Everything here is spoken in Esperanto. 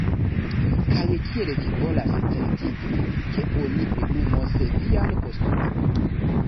Kaj kiel vi volas certigi, ke oni plenumos vian postulon?